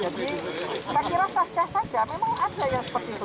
jadi saya kira saja saja memang ada yang seperti itu